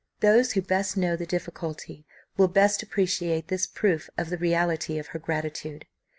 Those who best know the difficulty will best appreciate this proof of the reality of her gratitude.